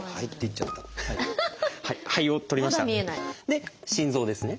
で心臓ですね。